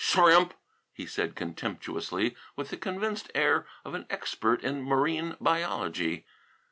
"Shrimp!" he said contemptuously, with the convinced air of an expert in marine biology.